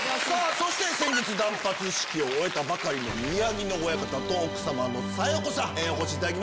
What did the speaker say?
そして先日断髪式を終えたばかりの宮城野親方と奥様の紗代子さんお越しいただきました。